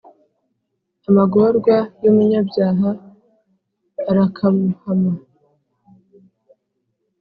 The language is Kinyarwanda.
amagorwa y’umunyabyaha arakamuhama.